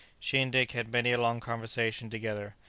She and Dick had many a long conversation together.